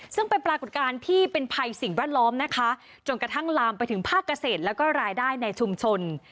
ซึ่งเป็นปรากฏการณ์ที่เป็นภัยสิ่งแวดล้อมนะคะจนกระทั่งลามไปถึงภาคเกษตรแล้วก็รายได้ในชุมชน